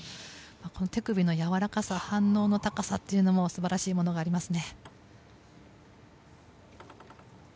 この手首のやわらかさ反応の高さというのも素晴らしいものがありますね。